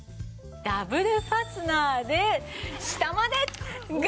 ダブルファスナーで下までガバッと！